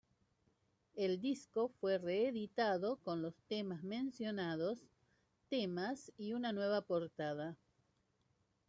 El disco fue reeditado con los temas mencionados temas y una nueva portada.